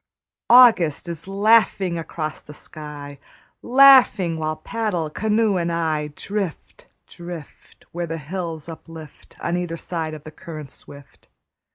August is laughing across the sky, Laughing while paddle, canoe and I, Drift, drift, Where the hills uplift On either side of the current swift.